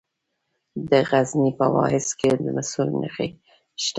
د غزني په واغظ کې د مسو نښې شته.